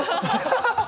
ハハハ